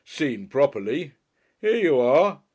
Seen properly. Here you are.